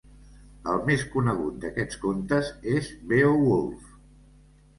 El més conegut d'aquests contes és "Beowulf".